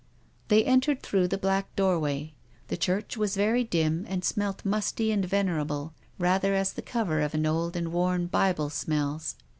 They entered through the black doorway. The church was very dim and smelt musty and venerable, rather as the cover of an old and worn Bible smells.